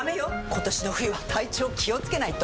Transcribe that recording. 今年の冬は体調気をつけないと！